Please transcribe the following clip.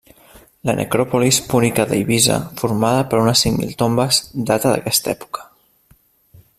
La necròpolis púnica d'Eivissa, formada per unes cinc mil tombes, data d'aquesta època.